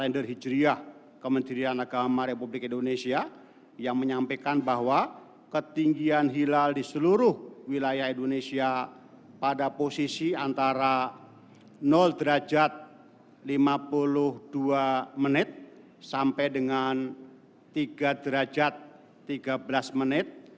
derajat lima puluh dua menit sampai dengan tiga derajat tiga belas menit